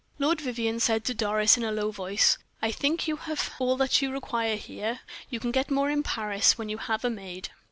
Lord Vivianne said to Doris in a low voice: "I think you have all that you require here; you can get more in Paris, when you have a maid."